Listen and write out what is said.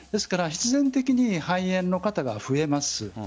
必然的に肺炎の方が増えます。